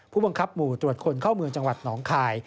ผู้บังคับหมู่ตรวจคนเข้าเมืองจังหวัดหนองคาย